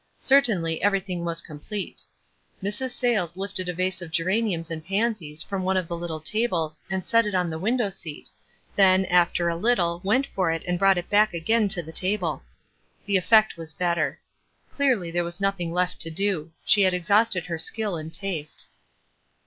Certainly, everything was complete. Mrs. WISE AND OTHERWISE. 5 Sayles lifted a vase of geraniums and pansies from one of the little tables and set it on the window scat, then, after a little, went for it and brought it back again to the table. The effect was better. Clearly, there was nothing left to do. She had exhausted her skill and taste.